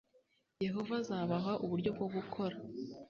yehova azabaha uburyo bwo gukora